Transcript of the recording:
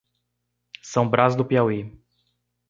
São Braz do Piauí